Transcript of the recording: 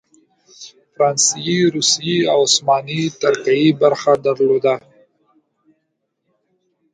فرانسې، روسیې او عثماني ترکیې برخه درلوده.